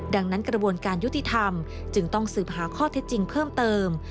ดังนั้นกระบวนการยุติธรรมจึงต้องสืบหาข้อเท็จจริงเพิ่มเติม